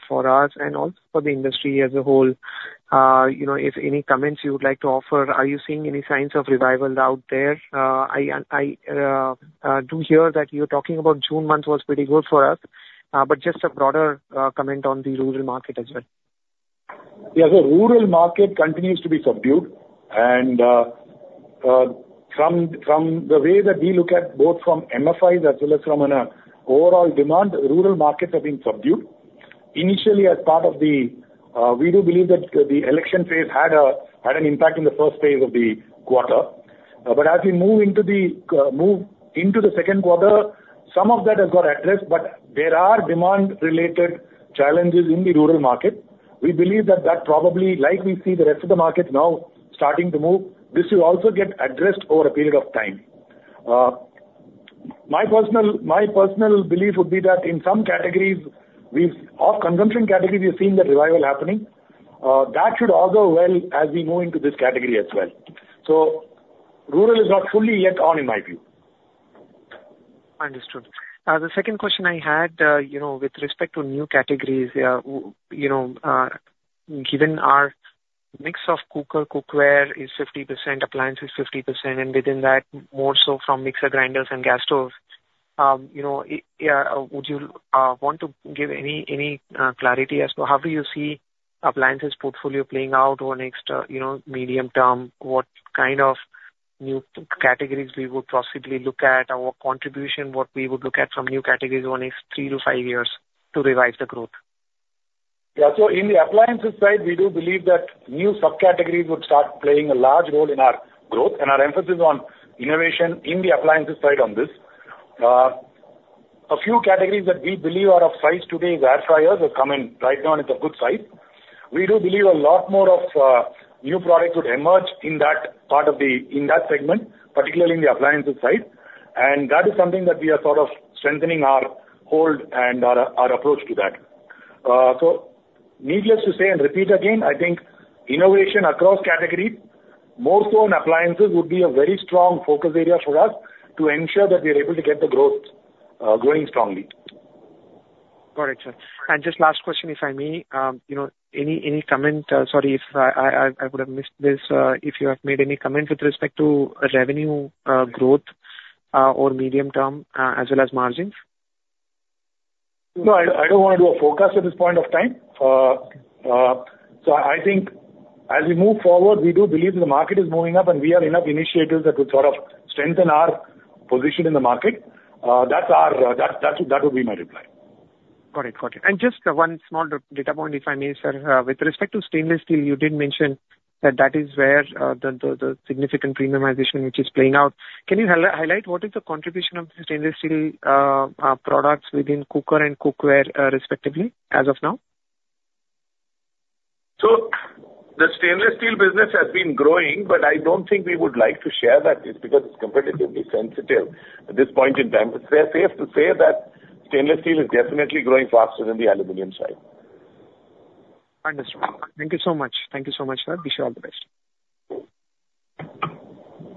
us and also for the industry as a whole, if any comments you would like to offer, are you seeing any signs of revival out there? I do hear that you're talking about June month was pretty good for us, but just a broader comment on the rural market as well. Yeah. So, rural market continues to be subdued. And from the way that we look at both from MFIs as well as from an overall demand, rural markets have been subdued. Initially, as part of the we do believe that the election phase had an impact in the first phase of the quarter. But as we move into the second quarter, some of that has got addressed, but there are demand-related challenges in the rural market. We believe that that probably, like we see the rest of the market now starting to move, this will also get addressed over a period of time. My personal belief would be that in some categories, of consumption categories, we've seen that revival happening. That should also well as we move into this category as well. So, rural is not fully yet on, in my view. Understood. The second question I had with respect to new categories, given our mix of cooker, cookware is 50%, appliances 50%, and within that, more so from mixer grinders and gas stoves, would you want to give any clarity as to how do you see appliances portfolio playing out over next medium term? What kind of new categories we would possibly look at, our contribution, what we would look at from new categories over next three to five years to revive the growth? Yeah. So, in the appliances side, we do believe that new subcategories would start playing a large role in our growth and our emphasis on innovation in the appliances side on this. A few categories that we believe are of size today is air fryers that come in right now, and it's a good size. We do believe a lot more of new products would emerge in that part of that segment, particularly in the appliances side. And that is something that we are sort of strengthening our hold and our approach to that. So, needless to say and repeat again, I think innovation across categories, more so in appliances, would be a very strong focus area for us to ensure that we are able to get the growth going strongly. Got it, sir. And just last question, if I may, any comment? Sorry if I would have missed this. If you have made any comments with respect to revenue growth over medium term as well as margins? No. I don't want to do a forecast at this point of time. So, I think as we move forward, we do believe that the market is moving up, and we have enough initiatives that would sort of strengthen our position in the market. That would be my reply. Got it. Got it. And just one small data point, if I may, sir. With respect to stainless steel, you did mention that that is where the significant premiumization which is playing out. Can you highlight what is the contribution of stainless steel products within cooker and cookware respectively as of now? The stainless steel business has been growing, but I don't think we would like to share that because it's competitively sensitive at this point in time. It's fair to say that stainless steel is definitely growing faster than the aluminum side. Understood. Thank you so much. Thank you so much, sir. Wish you all the best.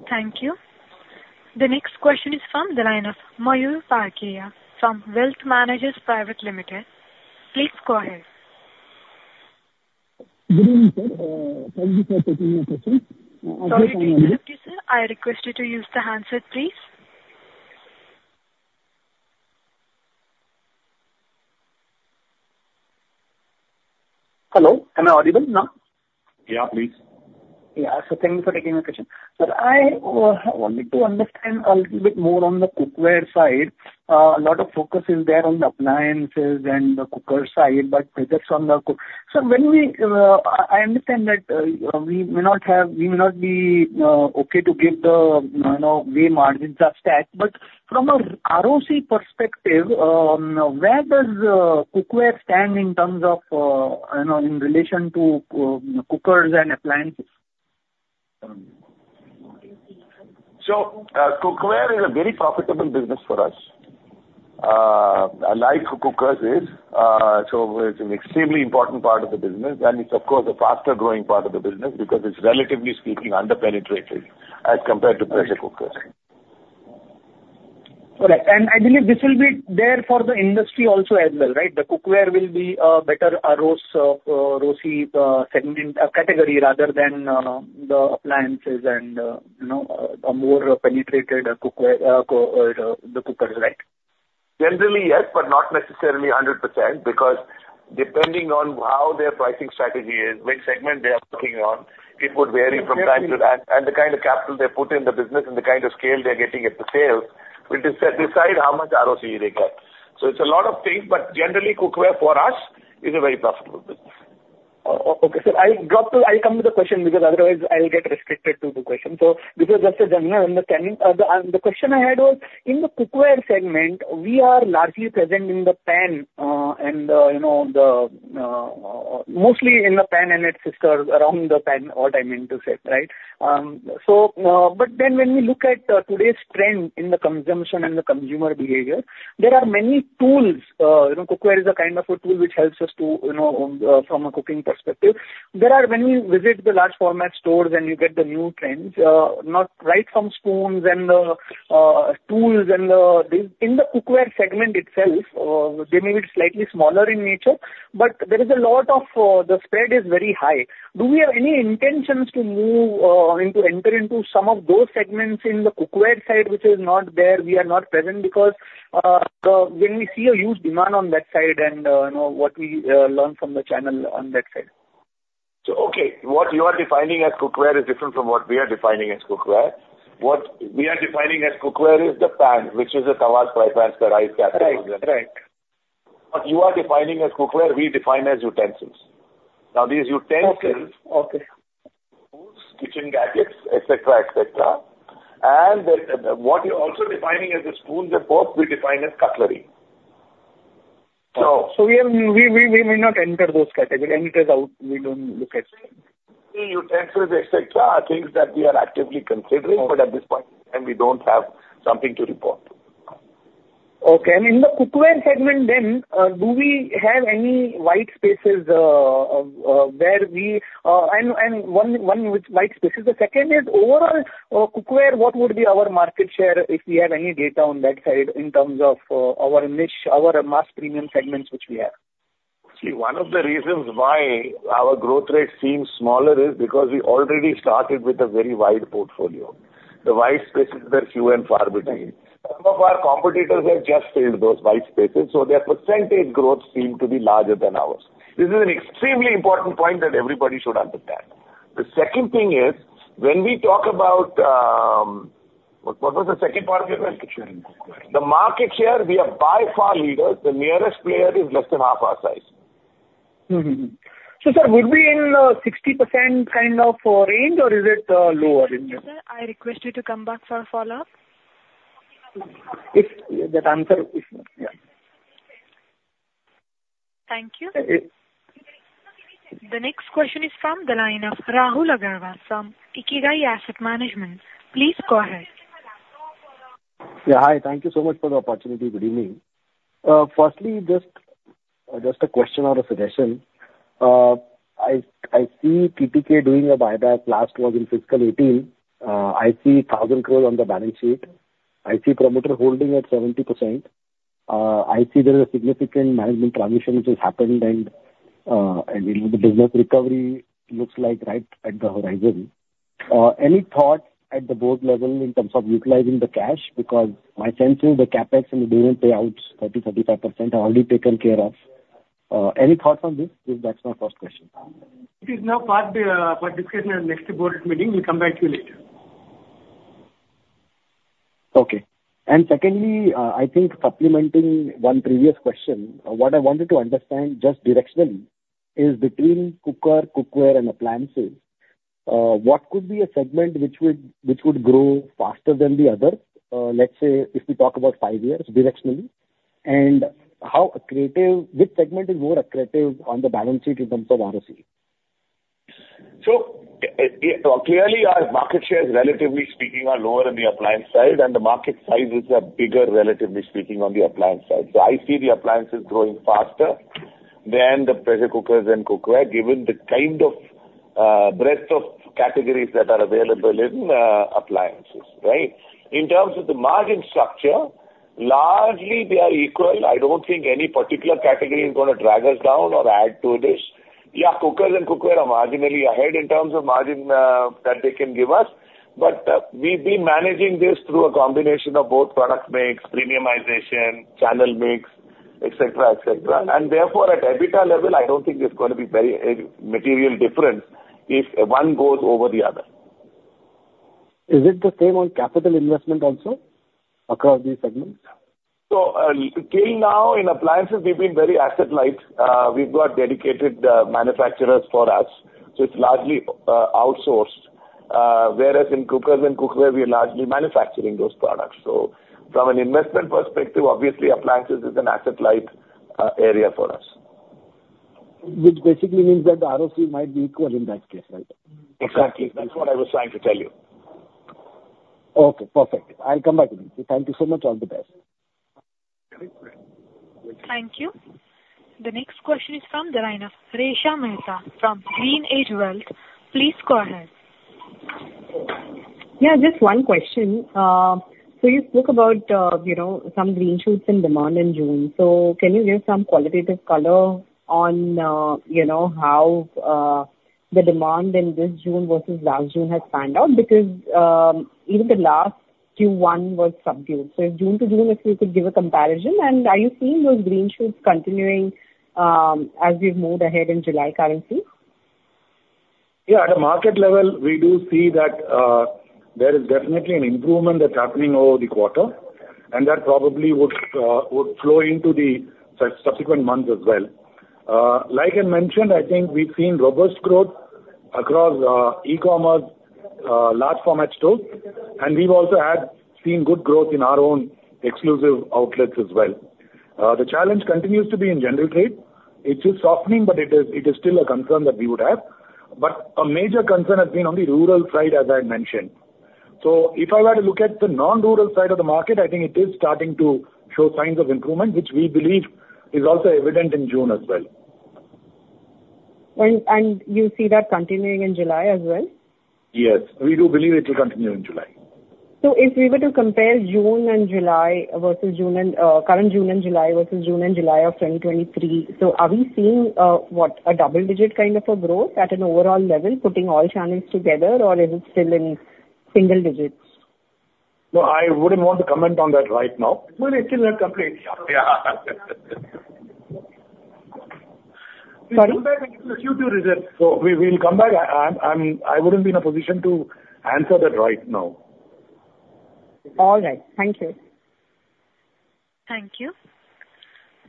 Thank you. The next question is from the line of Mayur Parkeria from Wealth Managers (India) Private Limited. Please go ahead. Good evening, sir. Thank you for taking my question. Sorry to interrupt you, sir. I request you to use the handset, please. Hello. Am I audible now? Yeah, please. Yeah. So, thank you for taking my question. Sir, I wanted to understand a little bit more on the cookware side. A lot of focus is there on the appliances and the cooker side, but that's on the side, sir, as I understand that we may not be okay to give away how the margins are stacked. But from an ROC perspective, where does cookware stand in terms of relation to cookers and appliances? So, cookware is a very profitable business for us. Like cookers is, so it's an extremely important part of the business. And it's, of course, a faster-growing part of the business because it's, relatively speaking, under-penetrated as compared to pressure cookers. Correct, and I believe this will be there for the industry also as well, right? The cookware will be a better ROC category rather than the appliances, and more penetrated than the cookers, right? Generally, yes, but not necessarily 100% because depending on how their pricing strategy is, which segment they are working on, it would vary from time to time, and the kind of capital they put in the business and the kind of scale they're getting at the sales will decide how much ROCE they get, so it's a lot of things, but generally, cookware for us is a very profitable business. Okay. Sir, I'll come to the question because otherwise, I'll get restricted to the question. So, this is just a general understanding. The question I had was, in the cookware segment, we are largely present in the pan and mostly in the pan and its system around the pan, what I meant to say, right? So, but then when we look at today's trend in the consumption and the consumer behavior, there are many tools. Cookware is a kind of a tool which helps us from a cooking perspective. There are, when we visit the large-format stores and you get the new trends, not right from spoons and the tools and the in the cookware segment itself, they may be slightly smaller in nature, but there is a lot of the spread is very high. Do we have any intentions to move into some of those segments in the cookware side, which is not there? We are not present because when we see a huge demand on that side and what we learn from the channel on that side. Okay. What you are defining as cookware is different from what we are defining as cookware. What we are defining as cookware is the pan, which is a tawas fry pan for rice, gas stoves, and. Right. Right. What you are defining as cookware, we define as utensils. Now, these utensils. Okay. Okay. Spoons, kitchen gadgets, etc., etc., and what you're also defining as the spoons and forks, we define as cutlery. So. So, we may not enter those categories. Enter is out. We don't look at. Utensils, etc., are things that we are actively considering, but at this point in time, we don't have something to report. Okay. And in the cookware segment, then, do we have any white spaces where we and one with white spaces? The second is, overall cookware, what would be our market share if we have any data on that side in terms of our niche, our mass premium segments which we have? See, one of the reasons why our growth rate seems smaller is because we already started with a very wide portfolio. The white spaces are few and far between. Some of our competitors have just filled those white spaces, so their percentage growth seemed to be larger than ours. This is an extremely important point that everybody should understand. The second thing is, when we talk about what was the second part of your question? The market share, we are by far leaders. The nearest player is less than half our size. So, sir, would be in the 60% kind of range, or is it lower in there? Sir, I request you to come back for a follow-up. That answer is, yeah. Thank you. The next question is from the line of Rahul Agarwal from InCred Capital. Please go ahead. Yeah. Hi. Thank you so much for the opportunity. Good evening. Firstly, just a question or a suggestion. I see TTK doing a buyback. Last was in fiscal 2018. I see 1,000 crores on the balance sheet. I see promoter holding at 70%. I see there is a significant management transition which has happened, and the business recovery looks like right at the horizon. Any thoughts at the board level in terms of utilizing the cash? Because my sense is the CapEx and the payouts 30%-35% have already taken care of. Any thoughts on this? That's my first question. It is now put for discussion at next board meeting. We'll come back to you later. Okay. And secondly, I think supplementing one previous question, what I wanted to understand just directionally is between cooker, cookware, and appliances, what could be a segment which would grow faster than the other? Let's say if we talk about five years, directionally, and how relatively which segment is more attractive on the balance sheet in terms of ROCE? So, clearly, our market shares, relatively speaking, are lower on the appliance side, and the market size is bigger, relatively speaking, on the appliance side. So, I see the appliances growing faster than the pressure cookers and cookware, given the kind of breadth of categories that are available in appliances, right? In terms of the margin structure, largely, they are equal. I don't think any particular category is going to drag us down or add to the mix. Yeah, cookers and cookware are marginally ahead in terms of margin that they can give us, but we've been managing this through a combination of both product mix, premiumization, channel mix, etc., etc. And therefore, at EBITDA level, I don't think there's going to be very material difference if one goes over the other. Is it the same on capital investment also across these segments? So, till now, in appliances, we've been very asset-light. We've got dedicated manufacturers for us, so it's largely outsourced. Whereas in cookers and cookware, we are largely manufacturing those products. So, from an investment perspective, obviously, appliances is an asset-light area for us. Which basically means that the ROC might be equal in that case, right? Exactly. That's what I was trying to tell you. Okay. Perfect. I'll come back to you. Thank you so much. All the best. Thank you. The next question is from the line of Resha Mehta from GreenEdge Wealth Services. Please go ahead. Yeah. Just one question. So, you spoke about some green shoots in demand in June. So, can you give some qualitative color on how the demand in this June versus last June has panned out? Because even the last Q1 was subdued. So, June to June, if you could give a comparison, and are you seeing those green shoots continuing as we've moved ahead in July currently? Yeah. At a market level, we do see that there is definitely an improvement that's happening over the quarter, and that probably would flow into the subsequent months as well. Like I mentioned, I think we've seen robust growth across e-commerce, large-format stores, and we've also seen good growth in our own exclusive outlets as well. The challenge continues to be in general trade. It is softening, but it is still a concern that we would have. But a major concern has been on the rural side, as I had mentioned. So, if I were to look at the non-rural side of the market, I think it is starting to show signs of improvement, which we believe is also evident in June as well. You see that continuing in July as well? Yes. We do believe it will continue in July. If we were to compare June and July versus June and July of 2023, so, are we seeing what, a double-digit kind of a growth at an overall level, putting all channels together, or is it still in single digits? No, I wouldn't want to comment on that right now. It's still not complete. Yeah. Sorry? We'll come back to you too. So, we'll come back. I wouldn't be in a position to answer that right now. All right. Thank you. Thank you.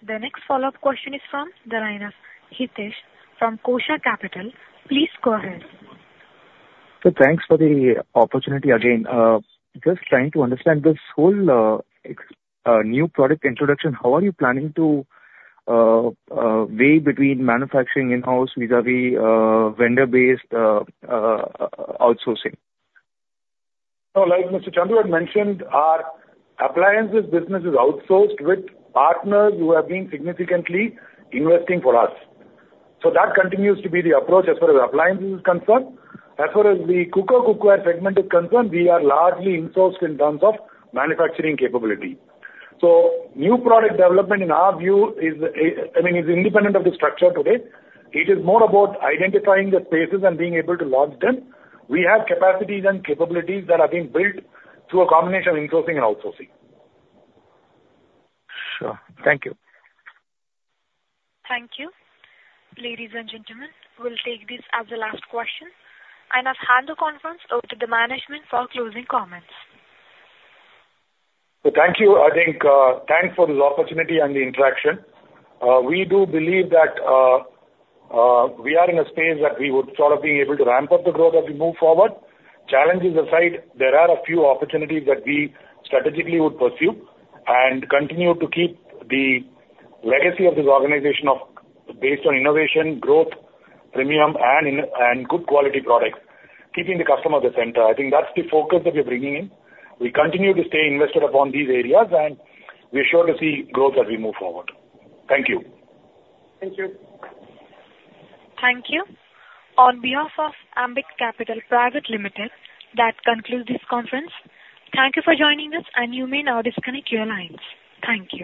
The next follow-up question is from Hitesh Taunk from Kosha Capital. Please go ahead. So, thanks for the opportunity again. Just trying to understand this whole new product introduction. How are you planning to weigh between manufacturing in-house vis-à-vis vendor-based outsourcing? Like Mr. Chandru had mentioned, our appliances business is outsourced with partners who have been significantly investing for us. That continues to be the approach as far as appliances is concerned. As far as the cooker/cookware segment is concerned, we are largely insourced in terms of manufacturing capability. New product development, in our view, is independent of the structure today. It is more about identifying the spaces and being able to launch them. We have capacities and capabilities that are being built through a combination of insourcing and outsourcing. Sure. Thank you. Thank you. Ladies and gentlemen, we'll take this as the last question. I now hand the conference over to the management for closing comments. So, thank you. I think thanks for this opportunity and the interaction. We do believe that we are in a space that we would sort of be able to ramp up the growth as we move forward. Challenges aside, there are a few opportunities that we strategically would pursue and continue to keep the legacy of this organization based on innovation, growth, premium, and good quality products, keeping the customer at the center. I think that's the focus that we're bringing in. We continue to stay invested upon these areas, and we're sure to see growth as we move forward. Thank you. Thank you. Thank you. On behalf of Ambit Capital Private Limited, that concludes this conference. Thank you for joining us, and you may now disconnect your lines. Thank you.